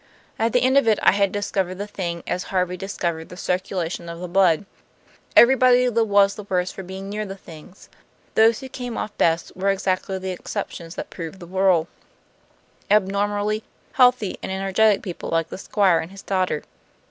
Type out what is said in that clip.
At the end of it I had discovered the thing as Harvey discovered the circulation of the blood. Everybody was the worse for being near the things; those who came off best were exactly the exceptions that proved the rule, abnormally healthy and energetic people like the Squire and his daughter.